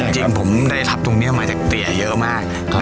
จริงผมได้รับตรงนี้มาจากเตี๋ยเยอะมาก